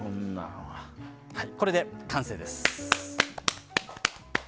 これで完成です。